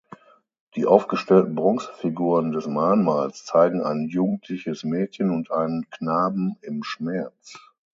Die aufgesstellten Bronzefiguren des Mahnmals zeigen ein jugendliches Mädchen und einen Knaben im Schmerz.